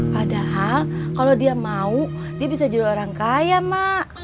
padahal kalau dia mau dia bisa jadi orang kaya mak